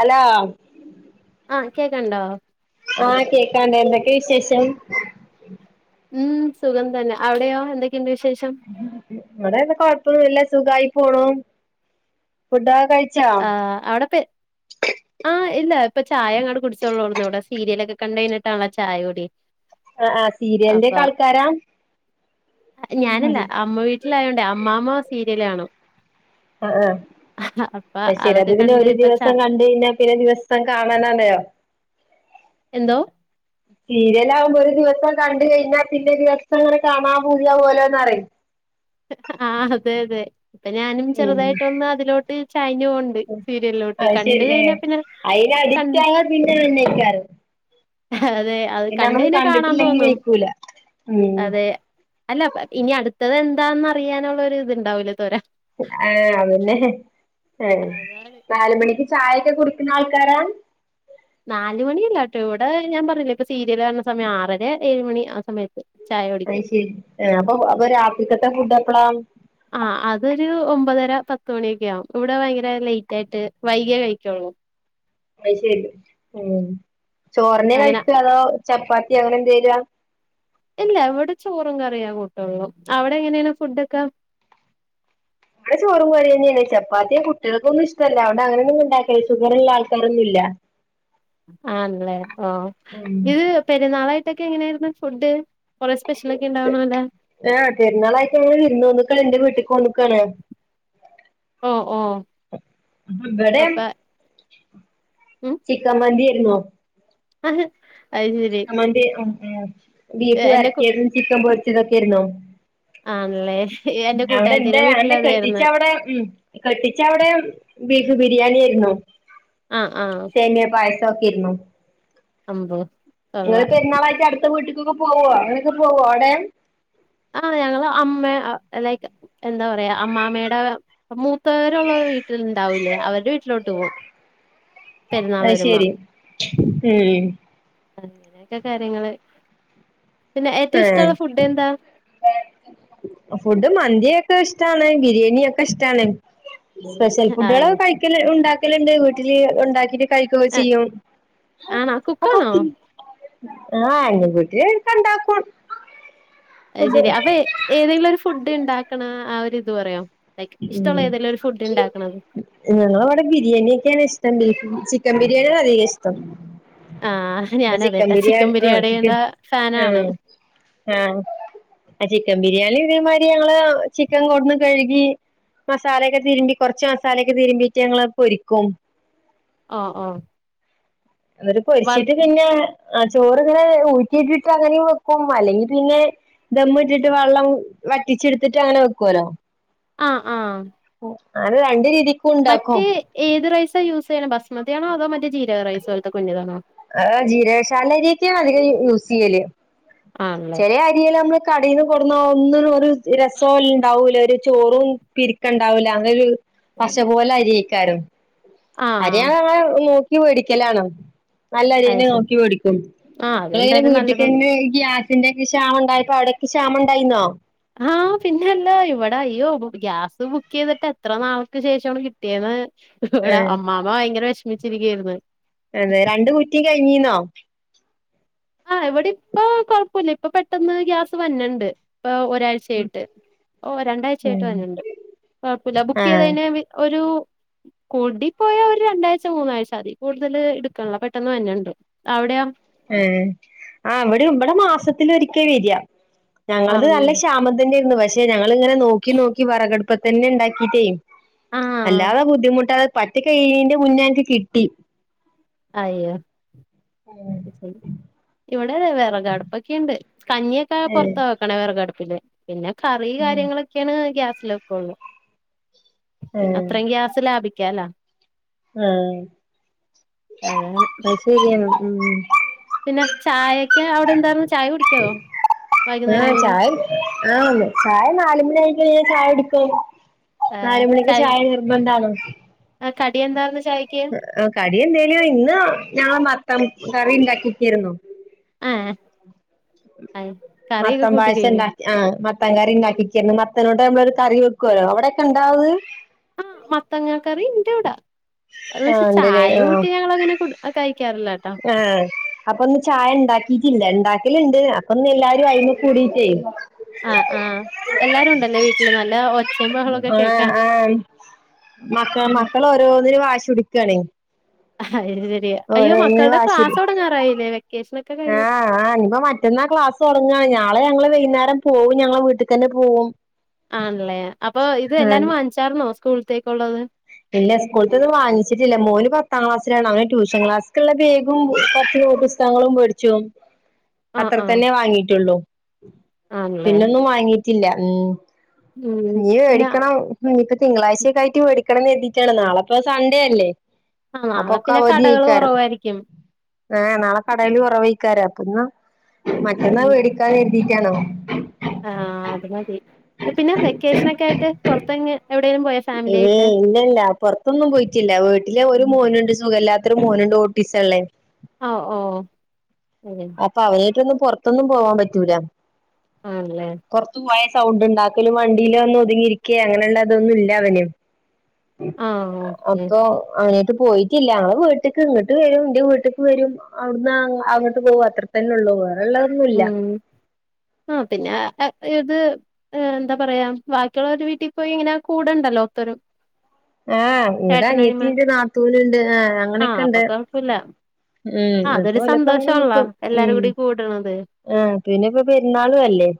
അല്ലോ ആഹ് കേക്കാണ്ടോ ആഹ് കേക്കാണ്ട് എന്തൊക്കെ വിശേഷം ഉം സുഖം തന്നെ അവിടെയോ എന്തൊക്കെയുണ്ട് വിശേഷം ഇവിടെത കൊഴപ്പൊന്നുല്ല സുഖായി പോണു ഫുഡൊക്കെ കഴിച്ചാ അവിടെപ്പ ആഹ് ഇല്ല ഇപ്പം ചായ അങ്ങാട് കുടിച്ചോള്ളൂന്നൂ ഇവിടെ സീരിയലൊക്കെ കണ്ടഴിഞ്ഞിട്ടാണല്ലോ ചായ കൂടി ആഹ് ആഹ് സീരിയലിന്റെ ഒക്കെആൾക്കാരാ ഞാനല്ല അമ്മ വീട്ടിലായോണ്ടേ അമ്മ്മ സീരിയല് കാണും ആഹ് ആഹ് അപ്പൊ അയ്ശെരി അത് അതൊക്കെ പിന്നെ കണ്ട് ഒരു ഇപ്പ ച ദിവസം കണ്ട് കയിഞ്ഞ പിന്നെ ദിവസം കാണാനാണോ എന്തോ സീരിയല് ആകുമ്പോ ഒരു ദിവസം കണ്ട് കഴിഞ്ഞാ പിന്നെ ദിവസം അങ്ങനെ കാണാൻ പൂത്യാവല്ലോ ന്നറിം ആഹ് അതെ അതെ ഇപ്പൊ ഞാനും ഉം ചെറുതായിട്ടൊന്ന് അതിലോട്ട് ചായ്ഞ് പോവ്ണ്ട് സീരിയലിലോട്ട് കണ്ട കഴിഞ്ഞാ പിന്നെ അയ്ന് കൺ അടിക്റ്റായ പിന്നെ വന്നേക്കാറ് അതെ അത് കണ്ടയിഞ്ഞ കാണാൻ കണ്ടിട്ടില്ലെങ്കി തോന്നും വെയ്ക്കൂല ഉം അതെ അല്ല ഇനി അടുത്തത് എന്താന്ന് അറിയാനുള്ള ഒരു ഇത്ണ്ടാവൂലേ തോര ഏഹ് അതന്നെ ഏഹ് അതാണ് നാലുമണിക്ക് ചായൊക്കെ കുടിക്കുന്ന ആൾക്കാരാ നാല് മണിയല്ലട്ടോ ഇവിടെ ഞാൻ പറഞ്ഞില്ലേ ഇപ്പൊ സീരിയൽ കാണുന്ന സമയം ആറര ഏഴ് മണി ആ സമയത്ത് ചായ കുടിക്കും അയ്ശെരി അപ്പൊ അപ്പൊ രാത്രിക്കത്തെ ഫുഡ് എപ്പള ആഹ് അതൊരു ഒമ്പതര പത്തുമണിയൊക്കെ ആവും ഇവിടെ ഭയങ്കര ലേറ്റ് ആയിട്ട് വൈകിയേ കഴിക്കുള്ളൂ അയ്ശരി ഉം ചോറന്നെ അങ്ങനെ കഴിക്ക അതോ ചപ്പാത്തി അങ്ങനെ എന്തേലുഹാ ഇല്ല എവിടെ ചോറും കറിയാ കൂട്ടുള്ളൂ അവിടെ എങ്ങനെയാണ് ഫുഡ് ഒക്ക ഇവടെ ചോറും കഴിയന്നേണ് ചപ്പാത്തിയെ കുട്ടികൾക്കൊന്നും ഇഷ്ടല്ല അവി അങ്ങനൊന്നും ഉണ്ടാക്കില്ല ഷുഗറ്ള്ള ആൾകാരൊന്നുല്ല [inaudible] ആണല്ലേ ഓഹ് ഇത് പെരുന്നാളായിട്ടൊക്കെ എങ്ങനെയായിരുന്നു ഫുഡ് കൊറെ സ്പെഷ്യലൊക്കെ ഉണ്ടാവണല്ലേ ആഹ് പെരുന്നാളായിട്ടെ വിരുന്നോന്നക്കണ് എന്റെ വീട്ടേക്ക് വന്നക്കാണ് ഓഹ് ഓഹ് ഇവിടെ ചിക്കമന്തി ആരുന്നു. ആഹ് - ചിക്കൻ മന്തിയരുന്ന ബീഫ് എന്റെ കു വരട്ടിയതും ചിക്കൻ പൊരിച്ചതൊക്കെയിരുന്നോ- ആണല്ലേ എന്റെ അവിടെ കൂട്ടുകാരത്തിടെ വീട്ടിൽ എന്തേ കെട്ടിച്ച അതായിരുന്നു അവിടെ ഉം. കെട്ടിച്ച അവിടെ ബീഫ് ബിരിയാണി ആയിരുന്നു ആ ആ സേമിയ പായസം ചോക്കിരുന്നു അമ്പോ കൊള്ളാം നിങ്ങള് പെരുന്നാളായ്ട്ട് അടുത്ത വീട്ടിക്കൊക്കെ പോവോ അങ്ങനൊക്കെ പോവോ അവിടെ ആഹ് ഞങ്ങള് അമ്മ ലൈക്ക് എന്താ പറയാ അമ്മാമ്മയുടെ മൂത്തവരുള്ള വീട്ടിലുണ്ടാവൂലേ അവര്ടെ വീട്ടിലോട്ട് പോകും [inaudible] പെരുന്നാളു അത് വരുമ്പോ ശരി ഉം അങ്ങനെയക്കെ കാര്യങ്ങള് പിന്നെ ഏറ്റവും ആഹ് ഇഷ്ടമുള്ള ഫുഡ് എന്താ - ഫുഡ് മന്തിയൊക്കെ ഇഷ്ടാണ് ബിരിയാണിയൊക്കെ ഇഷ്ടാണ് സ്പെഷ്യൽ ഫുഡുകള ആണ് കഴിക്കല ഉണ്ടാക്കലുണ്ട് വീട്ടില് ഉണ്ടാക്കിട്ട് കഴിക്കോ ചെയ്യൊ ആണോ കുക്കാണോ ആഹ് [inaudible] ക്കണ്ടാക്കും. അയ് ശരി അപ്പൊ ഏതെങ്കിലും ഒരു ഫുഡ് ഉണ്ടാക്കണ ആ ഒരു ഇത് പറയോ ലൈക്ക് ഇഷ്ടോള്ള ഉം ഏതെലും ഒരു ഫുഡ് ഉണ്ടാക്കണുത് ഞങ്ങളവിടെ ബിരിയാണിയെക്കെയാണ് ഇഷ്ടം ചിക്കൻ ബിരിയാണ് അധികം ഇഷ്ടം ആഹ് അപ്പ ചിക്കൻ ഞാനതേട്ടാ ബിരിയാണി ആഹ് ചിക്കൻ ബിരിയാണിയുടെ ഫാനാണ് ആഹ് ആഹ് ചിക്കൻ ബിരിയാണി ഇതേമാതിരി ഞങ്ങള് ചിക്കൻ കൊണ്ടുവന്ന് കഴുകി മസാലയൊക്കെ തിരുമ്പി കൊറച്ച് മസാലയൊക്കെതിരുമ്പീട്ട് ഞങ്ങളത് പൊരിക്കും ആഹ്‌ ആഹ്‌ എന്നിട്ട് പൊരിച്ചിട്ട് പിന്നെ ആഹ് ചോറിങ്ങനെ ഊറ്റിയിട്ടിട്ട് അങ്ങനെ വെക്കും അല്ലെങ്കി പിന്നെ ദമ്മ് ഇട്ടിട്ട് വെള്ളം വറ്റിച്ചെടുത്തിട്ട് അങ്ങനെ വെക്കുല്ലോ? ആഹ് ആഹ് അങ്ങനെ രണ്ട് രീതി മറ്റേ ഏത് റൈസാ യൂസ് ചെയ്യണ ബസ്മതിയാണോ അതോ മറ്റേ ജീരക റൈസ് പോലത്തെ കുഞ്ഞതാണോ ആഹ് ജീകശാല അരിയൊക്കെയാ അധികം യൂസ് ചെയ്യ ആണല്ലേ ചെല അരികള് നമ്മള് കടയിൽന്ന് കൊണ്ട് വന്ന ഒന്നിനും ഒരു രസംല്ല ഇണ്ടാവൂല ഒരു ചോറും പിരിക്ക ഉണ്ടാവൂല്ല അങ്ങനെ ഒരു പശ പോലെ അരിയിക്കാരും അരി ആഹ് [unintelligible] നോക്കി മേടിക്കലാണോ നല്ല അരി അത് തന്നെ ശരി നോക്കി വേടിക്കുള്ളു ആഹ് അതെന്തായാലും വീട്ടി നല്ലത് തന്നെ ഇതിൻ്റെക്കെ ക്ഷാമ ഉണ്ടായപ്പോ അവിടക്ക് ക്ഷമ ഉണ്ടായിന്നോ ആഹ് പിന്നെല്ല ഇവിടെ അയ്യോ ഗ്യാസ് ബുക്ക് ചെയ്തിട്ട് എത്ര നാൾക്ക് ശേഷണ് കിട്ടിയന്ന് ഇവിടെ ഏഹ് അമ്മാമ്മ ഭയങ്കര വിഷമിച്ചിരിക്കയായിരുന്നു അതെ രണ്ട കുറ്റിയും കഴിഞ്ഞീന്നോ? ഇവിടെ ഇപ്പ കുഴപ്പില്ല ഇപ്പ പെട്ടെന്ന് ഗ്യാസ് വന്നണ്ട് ഇപ്പ ഒരാഴ്ച ചേട്ട് ഓ രണ്ടാഴ്ചേട്ട് ഉം വരുന്നുണ്ട് കുഴപ്പില്ല ബുക്ക് ചെയ്ത് ആഹ് കഴിഞ്ഞ ഒരു- കുടിപ്പോയാ ഒരു രണ്ടാഴ്ച മൂന്നാഴ്ച അതി കൂടുതൽ എടുകണില്ലാ പെട്ടെന്ന് വരുണുണ്ട് അവിടെയാ ഉം ആഹ് ഇവിടെ ഇവിടെ മാസത്തിലൊരിക്ക വരിക ഞങ്ങളത് നല്ല ആണല്ലേ ക്ഷാമം തന്നെയായിരുന്നു പക്ഷെ ഞങളിങ്ങനെ നോക്കി നോക്കി വെറകടുപ്പി തന്നെ ഉണ്ടാക്കിയിട്ടേ ആഹ് അല്ലാതെ ബുദ്ധിമുട്ടാതെ പറ്റി കയീന്റെ മുന്നേ ഞങ്ങക്ക് കിട്ടി അയ്യോ ശരി ഇവിടെ വിറകടപ്പൊക്കെ ഉണ്ട് കഞ്ഞിയൊക്കെ ഏഹ് പുൊറത്ത വെക്കണേ വിറകടപ്പില് പിന്നെ കറി ഏഹ് കാര്യങ്ങളൊക്കെയാണ് ഗ്യാസിലൊക്കെള്ളൂ പിന്നെ ഏഹ് അത്രയും ഗ്യാസ് ലാഭിക്കല്ലാ ആഹ് അതാണ് അയ്ശരിയാണ് ഉം പിന്നെ ചായൊക്കെ അവിടെ എന്തായിരുന്നു ചായ കുടിക്കാവോ ആഹ് ചായ ആഹ് ചായ നാലുമണി ആയി കഴിഞ്ഞ ചായ എടുക്ക ആ നാല മണിക്ക് ചായ നിർബന്ധണോ ആഹ് കടി എന്താര്ന്ന് ചായക്ക്‌ കടി എന്തേലോ ഇന്ന് ഞങ്ങള് മത്തം കറി ഉണ്ടാക്കിയിടട്ടിരുന്നു. ആഹ് ആയി കറിയൊക്കെ മത്തം കൂട്ട പായസം കഴിഞ്ഞു ഇണ്ടാക്കി ആഹ് മത്താകറി ഉണ്ടാക്കിന്ന് മത്തനോട്ട നമ്മളൊ ഒരു കറി വെക്കുവല്ലോ അവിടെൊക്കെ ഉണ്ടാവത് ആഹ് മത്തങ്ങ കറി ഇന്റെ ഇവിട അത് വെച്ച് ആഹ് ഇണ്ട്ല്ലേ ചായ ആഹ് കൂട്ടി ഞങ്ങ അങ്ങനെ കഴിക്കാറില്ലട്ടോ ആഹ് അപ്പൊ ഒന്ന് ചായ ഉണ്ടാക്കിട്ടില്ല ഉണ്ടാക്കലണ്ട് അപ്പൊന്ന് എല്ലാരും അഴ കൂടി ചെയ്യും ആഹ് ആഹ് എല്ലാരും ഉണ്ടല്ലേ വീട്ടില് നല്ല ഒച്ചയും ബഹളൊക്കെ ആഹ് കേക്കാം ആഹ് മക്ക മക്കള ഓരോന്നിന് വാശിയുടിക്കണെ അയ്ശരിയ അയ്യോ മക്കളുടെ വാശി പിടി ക്ലാസ്സോടങ്ങാറായില്ലേ വെക്കേഷൻ ആഹ് ആഹ് ഇനിപ്പ മറ്റന്നാ ക്ലാസ് തുടങ്ങാണ് നാളെ ഞങ്ങൾ വൈകുന്നേരം പോവും ഞങ്ങളെ വീട്ടിക്കന്നെ പോവും ആണല്ലേ അപ്പൊ ഇത് ആഹ് എല്ലാരും വാങ്ങിച്ചാർന്നോ സ്കൂളത്തേക്കുള്ളത് ഇല്ല പിന്നെ സ്കൂൾത്തത് വാങ്ങിച്ചിട്ടില്ല മോന് പത്താം ക്ലാസ്സിലാണ് അവന് ട്യൂഷൻ ക്ലാസ്ക്ക്ള്ള ബേഗും, കുറച്ച് പുസ തകങ്ങളും മേടിച്ചു ആഹ് അത്ര ആഹ് തന്നെ വാങ്ങിട്ടുള്ളൂ ആണല്ലേ പിന്നൊന്നും വാങ്ങിട്ടില്ല ഉം ഉം ഇഞ്ഞി പിന്നെ മേടിക്കണം ഇപ്പൊ തിങ്കളാഴ്ചക്കായിട്ട് മേ മേടിക്കണം കര്തീട്ടാണ് നാളെപ്പൊ സൺഡേ അല്ലേ ആഹ് അപ്പൊ നാളെ ഒക്കെ പിന്നെ അവധി കടകള് അയ്ക്കാരം കൊറവായിരിക്കും ഏ നാളെ കടഎല്ലാം കുറവെയ്ക്കാരം അപ്പന്നാ മറ്റന്നാ ഉം വേടി ക്കാ കര്തീട്ടാണോ ആഹ് അത് മതി എ പിന്നെ [unintelligible] വെക്കേഷനൊക്കെ ആയിട്ട് പുറത്തങ്ങ് ഇവേ ഇല്ലല്ല പുറത്തൊന്നും പോയിട്ടില്ല വീട്ടില് ഒരു മോനുണ്ട് സുഖമല്ലാത്തൊരു മോന്ണ്ട് ഓട്ടിസള്ളേ ഓ ഓ അതെ അപ്പൊ അവന ആയ്ട്ടൊന്നും പുറത്തൊന്നും പോവാാൻ പറ്റൂല ആണ് ല്ലേ കൊറത്ത് പോയ സൗണ്ട്ണ്ടാക്കലും വണ്ടിയില് ഒന്ന് ഒതുങ്ങിയിരിക്കേ അങ്ങനെയുള്ളള്ളതൊന്നും ഇല്ല അവന് ആഹ് ഓക്കെ അപ്പൊ അങ്ങനട്ട് പോയിട്ടില്ല ഞങ്ങള് വീട്ട്ക്ക് ഇങ്ങട്ട് വരും എന്റെ വീട്ട്ക്ക് വരും അവിടുന്ന് അവി പോവും അത്ര തന്നെ ഉള്ളൂ വേറെ ള്ള ഉം ആ പിന്നെ ഏത് എന്താ പറയാ ബാക്കിയുള്ള ഒരു വീട്ടിൽ പോയി ഇങ്ങനെ കൂടെണ്ടല്ലോ ഒത്തരു ആഹ് ഇവിടെ അനിയത്തിണ്ട് നാത്തൂനുണ്ട് ആ അങ്ങനെയൊക്കെ ഉണ്ട് ത്തുല്ല ഉം അപ്പൊ വല്ലപ്പോ അങ്ങനെ നിക്കും എല്ലാരും ഉം കൂടി കൂടണത് ആഹ് പിന്നെ ഇപ്പ പെരുന്നാളും അല്ലേ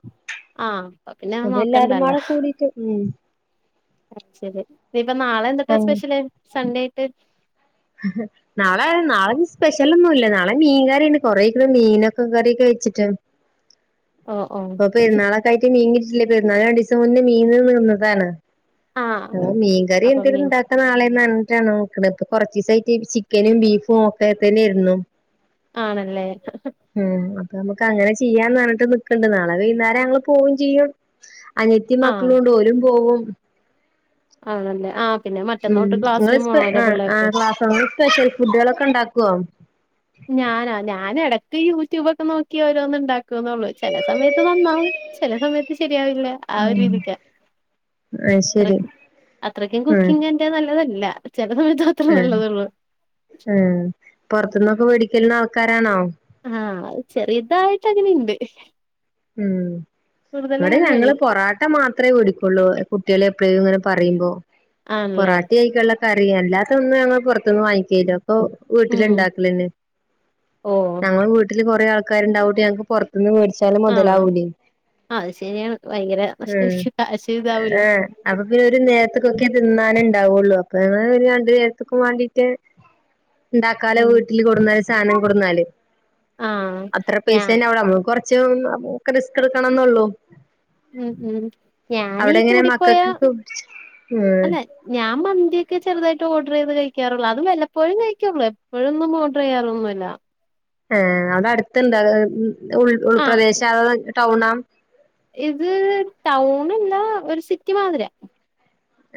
ആഹ് അപ്പ അപ്പൊ എല്ലാരും പാടെ കൂടിട്ട് ഉം അ ശരി ഇപ്പ നാളെ എന്തൂട്ടാ അങ്ങനെ സ്പെഷ്യല് സൺഡേ ആയിട്ട് ഉ നാളെ നാളെ സ്പെഷ്യലൊന്നും ഇല്ല നാളെ മീൻ കറിണ്ട് കൊറെക്കെ മീനൊക്കെ കറിയൊക്കെ വെച്ചിട്ട് ഓ ഓ അപ്പൊ പെരുന്നാളൊക്കായിട്ട് മീൻകിട്ടില്ലേ പെരുന്നാള രണ്ടീസം മുന്നേ മീൻ തീർന്നതാണ് ആഹ് മീൻകറി അപ്പം എന്തെങ്കിലും മീൻ ഇണ്ടാക്കാ നാളെ പറഞ്ഞിട്ടാണ് നിക്ക്ണപ്പ കുറച്ചി ദിവസായിട്ട് ചിക്കനും ബീഫും ഒക്കെ തന്നെയായിരുന്നു ആണല്ലേ? ഉംഅപ്പ ഞമ്മക്ക് അങ്ങനെ ചെയ്യാന്ന് പറഞ്ഞിട്ട് നിക്ക്ണ്ട് നാളെ വൈകുന്നേരം ഞങ്ങൾ പോവും ചെയ്യും അനത്തി ആഹ് മക്കളും ഉണ്ട് ഓലും പോവും ആണല്ലേ ആഹ് പിന്നെ ഉം മറ്റന്നോട്ട് നിങ്ങള് ക്ലാസ്സിലും സ്പ പോണോല്ലോ ആ ആ പിള്ളേർക്ക് ക്ലാസ് നോമ്പിന് സ്പെഷ്യൽ ഫുഡുകളൊക്കെ ഇണ്ടാക്കുവോ ഞാനോ ഞാന് ഇടയ്ക്ക് യൂട്യൂബൊക്കെ നോക്കി ഓരോന്ന്ഇണ്ടാക്ക ന്നുള്ളൂ ചില സമയത്ത് നന്നാവും ചില സമയത്ത് ശരിയാവില്ല ആ ഒരു ഉം രീതിക്ക അത് അ ശരി അത്രക്കും കുക്കിംഗന്റെ നല്ലതല്ല ചില സമയത്ത് മാത്രേ ആഹ് നല്ലതുള്ളൂ ആഹ് പുറത്തുന്നൊക്കെ മേടിക്കൽന്ന ആൾക്കാരാണോ? ആഹ് ചെറിതായിട്ട് അങ്ങനെണ്ട് ഉം ഇവടെ ഞങ്ങള് കൂടുതലങ്ങനെയാണ് പൊറാ ട്ട മാത്രമേ വേടിക്കുള്ളൂ കുട്ടികളെ എപ്പഴും ഇങ്ങനെ പറയുമ്പോ ആണല്ലേ പൊറാട്ടി ആയിക്കുള്ള കറി അല്ലാത്ത ഒന്നും ഞങ്ങ പുറത്തൊന്ന് വാങ്ങിക്കല്ലോ അപ്പൊ വീട്ടില് ഉം ഇണ്ടാക്കലന്നെ ഓ ഞങ്ങൾ വീട്ടില് കൊറെ ആൾക്ക ആക്കാരുണ്ടയിട്ട് ഞങ്ങക്ക് പുറത്തുന്ന് മേടിച്ചാ ആഹ് അഹ് അത് ശരിയാണ് ഭയങ്കര ഉം [unintelligible] കാശ ഇതാവൂല ഏഹ് അപ്പൊ പിന്നെ ഒരു നേരത്തക്കൊക്കെ തിന്നാന് ഉണ്ടാവുള്ളു അപ്പൊ ഒരു രണ്ടു നേരത്തേക്കും വേണ്ടിട്ട് ഉണ്ടാക്കാലോ ഉം വീട്ടില് കൊടുന്നാല് സാധനം കൊടുന്നാല് ആഹ് അത്ര ഞാ പൈസ തന്നെ അടെ നമ്മ കൊറച്ച് ഒക്ക റിസ്ക് എടുക്കണം എന്നുള്ളു. ഉം ഉം ഞാനീ കൂടിപ്പോയ മക്കൾക്ക് ഉം അല്ലെ ഞാൻ മന്തി ഒക്കെ ചെറുതായിട്ട് ഓർഡർ ചെയ്ത് കഴിക്കാറുള്ളു അത് വല്ലപ്പോഴും കഴിക്കാറുള്ളൂ എപ്പോഴൊന്നും ഓർഡർ ചെയ്യാറൊന്നുമില്ല അവിടെ അടുത്തണ്ട് അത് ഉൾ ആഹ് ഉൾപ്രദേശം അത ടൗണാ ഇത് ടൗൺ അല്ല ഒരു സിറ്റി മാതിരിയ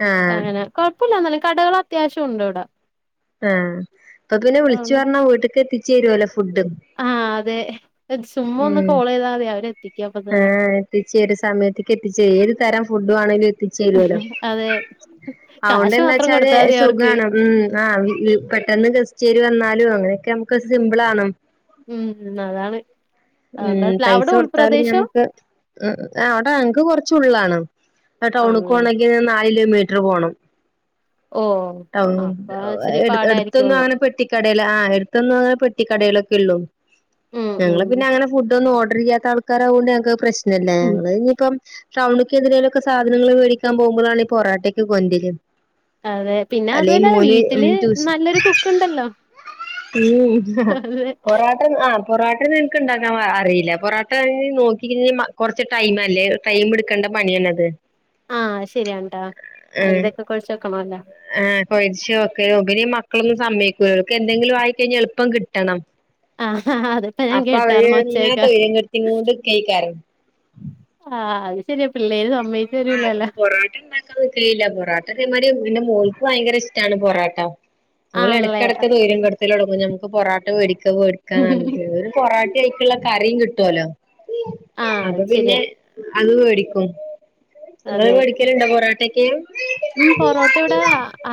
ആഹ് അങ്ങനെ കൊയപ്പ ഇല്ല എന്നാലും കടകൾ അത്യാവശ്യ ഉണ്ട് ഇവടെ ആഹ് അപ്പൊ പിന്നെ വിളിച്ചു അതുകൊണ്ട് പറഞ്ഞാ വീട്ടക്ക് എത്തിച്ച് തരുവല്ലോ ഫുഡ് ആഹ് അതെ ചുമ്മാ ഒന്ന് ഉം കോൾ ചെയ്താൽ മതി അവരെ എത്തിക്കും അപ്പ തന്നെ എത്തിച്ചരും സമയത്തേക്ക് എത്തിച്ചരും ഏത് തരം ഫുഡ് വേണേലും എത്തിച്ചരുല്ലോ അതെ കാശ് മാത്രം അതൊണ്ടന്താവച്ചാല് കൊടുത്താൽ മതി അവർക്ക് സുഖാണ് ഉം ആഹ് പെട്ടെന്ന് ഗസ്റ്റ് ആര് വന്നാലും അങ്ങനെയൊക്കെ നമുക്ക് സിംമ്പിൾ ആണ് ഉം അതാണ് ഉം എന്താ പ്ല പൈസ അവിടെ കൊടുത്താലും ഉൾപ്രദേശം ഞമ്മക്ക് അവിടെ ഞങ്ങക്ക് കൊറച്ച ഉള്ളിലാണ് ടൗണക്ക് ആണല്ലേ പോണങ്കിൽ നാല് കിലോമീറ്റർ പോണം ഓ ടൗൺ അപ്പൊ ഇച്ചിരി എടുത്തൊന്ന് പാടായിരിക്കുള്ളൂ അങ്ങനെ പ പെട്ടിക്കടൽ ആഹ് എടുത്തന്ന് പെട്ടിക്കടയിലൊക്കെ ഉള്ളൂ ഉം ഞങ്ങ ഉം പിന്നെഅങ്ങന ഫുഡ് ഒന്നും ഓർഡർ ചെയ്യാത്ത ആൾക്കാര ആയോണ്ട് ഞങ്ങൾക്ക് പ്രശ്നല്ലേ ഉം ഞങ്ങള് ഇനിയിപ്പം ടൗൺക്കെന്തലൊക്കെ സാധനങ്ങൾ മേടിക്കാൻ പോകുമ്പോഴാണ് ഈ പൊറട്ട ഒക്കെ കൊണ്ടോരാ അതെ പിന്നെ അത് തന്നല്ല വീട്ടില് ട്യൂഷൻ നല്ലൊരു കുക്ക് ഉണ്ടല്ലോ ഉം പൊറോട്ടൻ ആഹ് പൊറോട്ട ഉണ്ടാക്കാൻ അറിയില്ല പൊറോട്ട നോക്കിഴിഞ്ഞാൽ കുറച്ച് ടൈം അല്ലേ ടൈം എടുക്കേണ്ട പണിയല്ലേത് ആഹ് ശരിയണ്ടോ മൈതൊക്കെ കൊഴച്ച് വക്കണല്ലോ ആഹ് കൊഴിച്ചോക്കെ പിന്നെ മക്കളൊന്നും സമ്മയ്ക്കൂല എന്തെങ്കിലും ആയിക്കഴിഞ്ഞാൽ എളുപ്പം കിട്ടണം ആഹ് അതിപ്പോ ഞാൻ അപ്പൊ അവര് കേട്ടായിരുന്നു ഇങ്ങെനെ ഒച്ചയൊക്കെ സ്വയ്ര്യം കെടുത്തികൊണ്ടേക്കാരം ആഹ് അത് ശരിയാ പിള്ളേര് അപ്പം ആഹ് അപ്പൊ സമ്മയിച്ചരുലല്ലോ? പൊറാട്ട കയില്ല പൊറട്ട ഇതേമാതിരി എന്റെ മോൾക്ക് ഭയങ്കര ഇഷ്ടമാണ് പൊറോട്ട ഓല് ആണല്ലേ എടക്കെടക്ക് സ്വര്യം കെടുത്തലൊടങ്ങും നമുക്ക് പൊറട്ട മേടിക്കാ മേടിക്കാന്ന് പറഞ് പൊറാട്ട ആയിക്കുള്ള കറിയും കിട്ടുല്ലോ ആഹ് അത് അപ്പൊ പിന്നെ ശരിയാ അത് മേടിക്കും നിങ്ങള് അതെ മേടിക്കലുണ്ടോ പൊറാട്ടക്കെ? ഉം പൊറോട്ട ഇവ്ടെ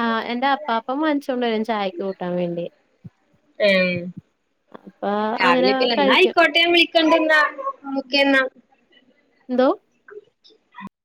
ആഹ് എന്റെ അപ്പാപ്പൻ വാങ്ങിച്ചോണ്ട് വരും ചായക്ക് കൂട്ടാൻ വേണ്ടി. ഏഹ് അപ്പൊ രാവിലെ അങ്ങനെ ഇപ്പ കഴിക്കും എന്നായിക്കോട്ടെ ഞാൻ വിളി ക്കണ്ട്ന്നാ ഓക്കേന്ന. എന്തോ?